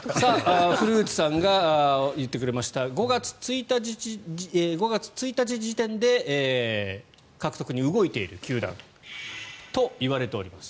古内さんが言ってくれました５月１日時点で獲得に動いている球団といわれております。